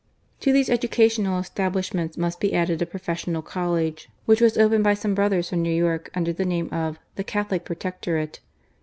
To these educational establishments must be added a professional College, which was opened by some Brothers from New York, under the name of "The Catholic Protectorate."